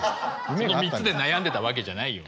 その３つで悩んでたわけじゃないよ。